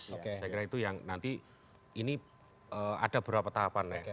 saya kira itu yang nanti ini ada berapa tahapannya